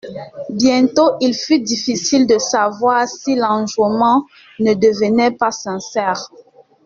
Bientôt, il fut difficile de savoir si l'enjouement ne devenait pas sincère.